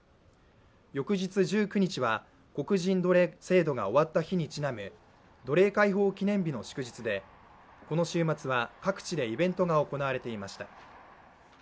翌日１９日は黒人奴隷制度が終わった日にちなむ奴隷解放記念日の祝日で、この週末は各地でイベントが行われていました。